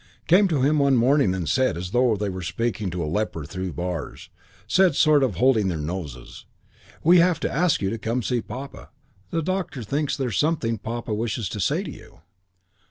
Came to him one morning and said, as though they were speaking to a leper through bars, said, sort of holding their noses, 'We have to ask you to come to see Papa. The doctor thinks there is something Papa wishes to say to you.'